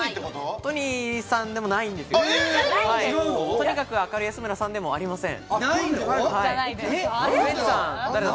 とにかく明るい安村さんでもありません。